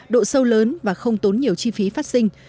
độ sâu lớn và không tốn nhiều chi phí phát sinh